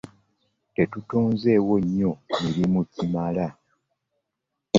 Tetutonzeewo nnyo mirimu kimala.